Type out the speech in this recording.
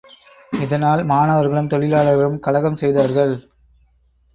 இதனால் மாணவர்களும், தொழிலாளர்களும் கலகம் செய்தார்கள்.